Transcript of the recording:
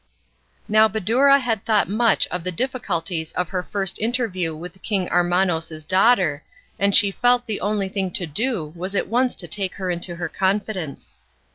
Now Badoura had thought much of the difficulties of her first interview with King Armanos' daughter, and she felt the only thing to do was at once to take her into her confidence.